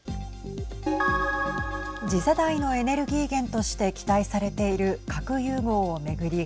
次世代のエネルギー源として期待されている核融合を巡り